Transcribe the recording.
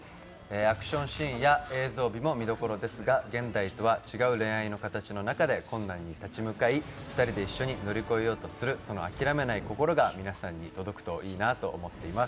アクションシーンや映像美も見どころですが現代とは違う恋愛の形の中で困難に立ち向かい２人で一緒に乗り越えようとすするその諦めない心が皆さんに届くといいなと思っています。